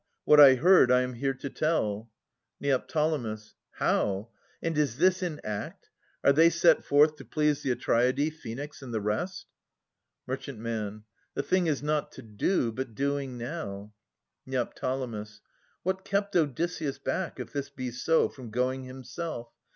What I heard, I am here to tell, Neo. How ? And is this in act ? Are they set forth To please the Atreidae, Phoenix and the rest ? Mer. The thing is not to do, but doing now. Neo. What kept Odysseus back, if this be so, From going himself?